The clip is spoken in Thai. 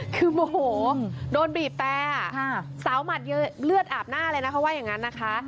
คือโมโหโดนบีบแต่สาวหมัดเยอะเลือดอาบหน้าเลยนะเขาว่าอย่างนั้นนะคะ